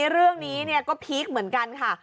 เรื่องนี้ก็พีคเหมือนกันค่ะ